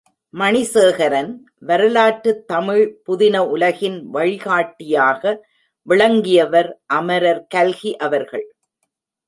மணிசேகரன், வரலாற்றுத் தமிழ் புதின உலகின் வழிகாட்டியாக விளங்கியவர் அமரர் கல்கி அவர்கள்.